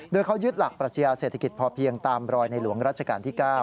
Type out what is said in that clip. โดยเขายึดหลักปรัชญาเศรษฐกิจพอเพียงตามรอยในหลวงรัชกาลที่๙